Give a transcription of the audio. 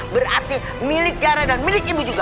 berarti milik jara dan milik ibu juga